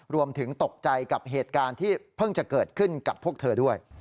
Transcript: รวมถึงตกใจกับเหตุการณ์ที่เพิ่งจะเกิดขึ้นกับพวกเธอด้วย